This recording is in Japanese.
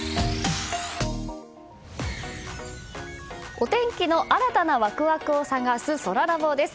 お天気の新たなワクワクを探すそらラボです。